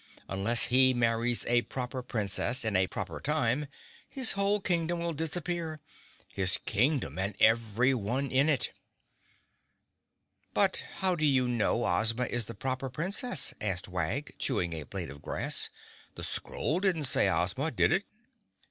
Unless he marries a Proper Princess in a proper time his whole Kingdom will disappear—his Kingdom and everyone in it!" "But how do you know Ozma is the Proper Princess?" asked Wag, chewing a blade of grass. "The scroll didn't say Ozma, did it?"